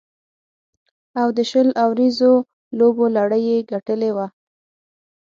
او د شل اوریزو لوبو لړۍ یې ګټلې وه.